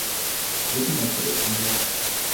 不存在这个困扰。